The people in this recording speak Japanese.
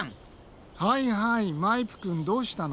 はいはいマイプくんどうしたの？